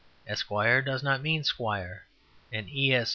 Esquire does not mean squire, and esq.